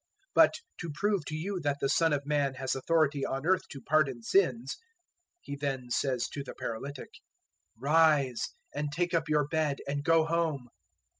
009:006 But, to prove to you that the Son of Man has authority on earth to pardon sins" He then says to the paralytic, "Rise, and take up your bed and go home."